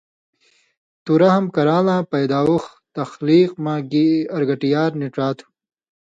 تُو رحم کران٘لاں پَیداوخ (تخلیق) مہ گی ارگٹیار نی ڇا تُھو؛